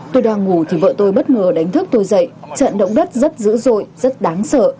tôi đang ngủ thì vợ tôi bất ngờ đánh thức tôi dậy trận động đất rất dữ dội rất đáng sợ